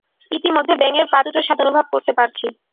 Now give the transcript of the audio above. ইতমধ্যে ব্যাঙ এর পা দুটোর স্বাদ অনুভব করতে পারছি।